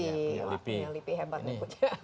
wah punya lipi hebat